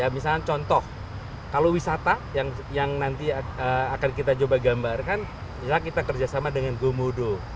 misalnya contoh kalau wisata yang nanti akan kita coba gambarkan misalnya kita kerjasama dengan gomodo